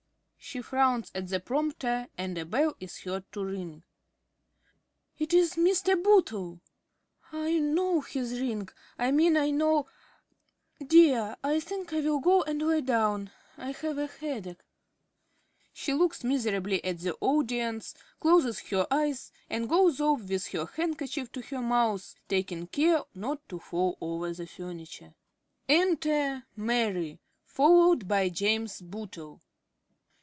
(She frowns at the prompter and a bell is heard to ring.) It is Mr. Bootle! I know his ring, I mean I know Dear, I think I will go and lie down. I have a headache. (_She looks miserably at the audience, closes her eyes, and goes off with her handkerchief to her mouth, taking care not to fall over the furniture._) Enter Mary, _followed by James Bootle.